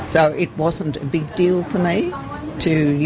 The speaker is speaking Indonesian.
jadi itu bukan perubahan besar bagi saya